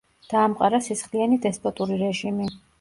დაამყარა სისხლიანი დესპოტური რეჟიმი.